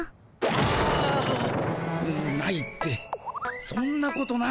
あ！なないってそんなことないだろ？